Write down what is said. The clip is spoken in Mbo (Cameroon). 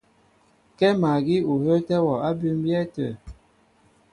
Kɛ́ magí ó hə́ə́tɛ́ wɔ á bʉmbyɛ́ tə̂.